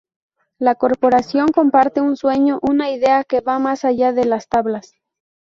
La corporación, comparte un sueño, una idea que va más allá de las tablas.